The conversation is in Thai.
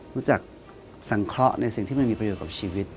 รู้จักสังเคราะห์ในสิ่งที่มันมีประโยชน์กับชีวิต